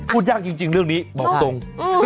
พูดยากจริงเรื่องนี้บอกตรง